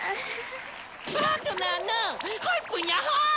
パートナーのホイップニャホイ！